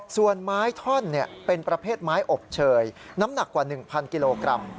ส่วนไม้ท่อนเป็นประเภทไม้อบเชยน้ำหนักกว่า๑๐๐กิโลกรัม